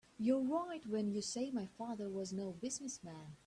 You're right when you say my father was no business man.